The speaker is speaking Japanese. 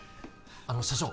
あの社長